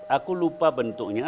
aku lupa bentuknya